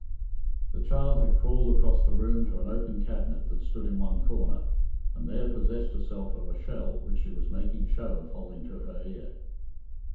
The child had crawled across the room to an open cabinet that stood in one corner, and there possessed herself of a shell, which she was making show of holding to her ear.